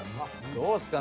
どうですか？